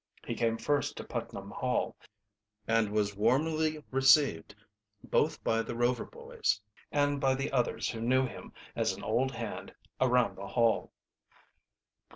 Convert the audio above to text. He came first to Putnam Hall, and was warmly received both by the Rover boys and by the others who knew him as an old hand around the Hall.